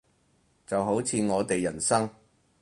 就好似我哋人生